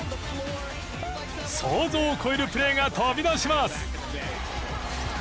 想像を超えるプレーが飛び出します。